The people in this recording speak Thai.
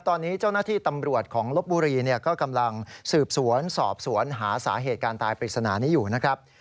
ตอนนี้เจ้าหน้าที่ตำรวจของลบบุรีก็กำลังสืบสวนสอบสวนหาสาเหตุการตายปริศนานี้อยู่นะครับ